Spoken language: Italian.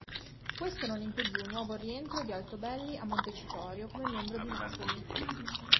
Questo non impedì un nuovo rientro di Altobelli a Montecitorio come membro di Napoli.